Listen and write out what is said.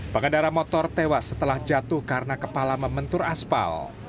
pengendara motor tewas setelah jatuh karena kepala membentur aspal